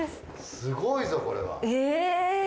すごいぞこれは。えっ！